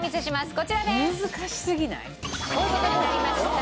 こういう事になりました。